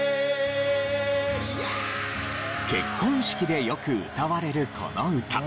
結婚式でよく歌われるこの歌。